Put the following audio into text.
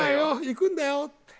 行くんだよって。